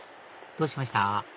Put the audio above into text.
どうしました？